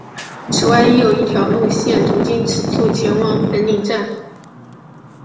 此外亦有一条路线途经此处前往粉岭站。